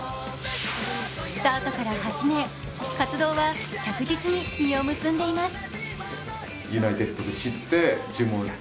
スタートから８年、活動は着実に実を結んでいます。